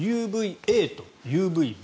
ＵＶＡとＵＶＢ。